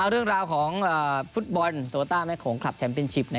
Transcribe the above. เรื่องราวของฟุตบอลโตต้าแม่โขงคลับแชมป์เป็นชิป